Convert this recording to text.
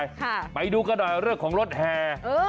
ค่ะไปดูกันด้วยเรื่องของรถแห่